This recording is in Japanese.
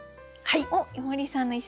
はい。